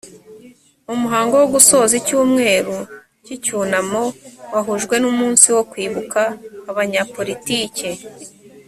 umuhango wo gusoza icyumweru cy icyunamo wahujwe n umunsi wo kwibuka abanyapolitiki